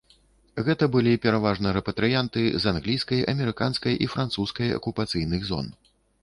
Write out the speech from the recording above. Гэта былі пераважна рэпатрыянты з англійскай, амерыканскай і французскай акупацыйных зон.